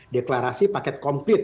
deklarasi paket komplit